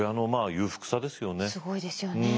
すごいですよね。